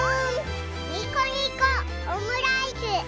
にこにこオムライス！